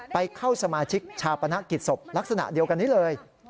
ไปเข้าสมาชิกชาปนกิจศพลักษณะเดียวกันนี้เลย